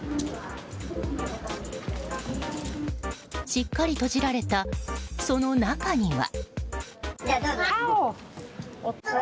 しっかり閉じられたその中には。